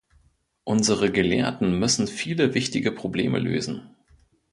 Unsere Gelehrten müssen viele wichtige Probleme lösen.